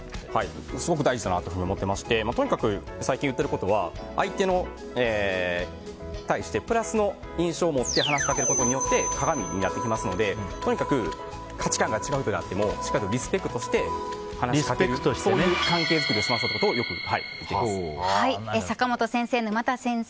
すごく大事だなと思ってましてとにかく最近言ってることは相手に対してプラスの印象を持って話しかけることによって鏡になってきますのでとにかく価値観が違ってもリスペクトして話すということを坂本先生、沼田先生